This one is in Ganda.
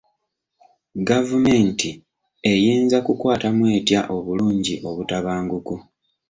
Gavumenti eyinza kukwatamu etya obulungi obutabanguko?